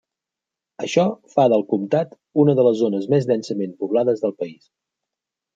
Això fa del comtat una de les zones més densament poblades del país.